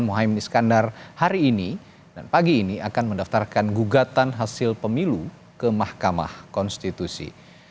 mohaimin iskandar hari ini dan pagi ini akan mendaftarkan gugatan hasil pemilu ke mahkamah konstitusi